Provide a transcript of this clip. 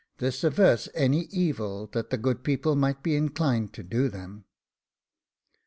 This averts any evil that THE GOOD PEOPLE might be inclined to do them.